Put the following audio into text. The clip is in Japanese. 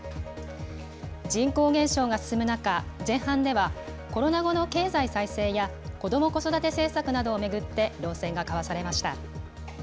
人口減少が進む中、前半では、コロナ後の経済再生や子ども・子育て政策などを巡って論戦が交わされました。